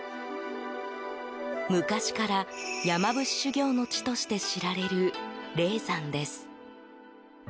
昔から山伏修行の地として知られる霊山です。